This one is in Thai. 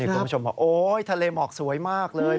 คุณผู้ชมบอกโอ๊ยทะเลหมอกสวยมากเลย